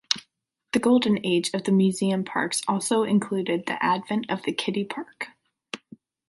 The Golden Age of amusement parks also included the advent of the kiddie park.